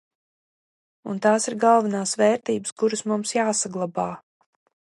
Un tās ir galvenās vērtības, kuras mums jāsaglabā.